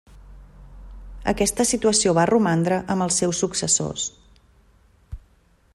Aquesta situació va romandre amb els seus successors.